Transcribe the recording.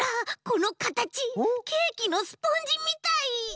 このかたちケーキのスポンジみたい！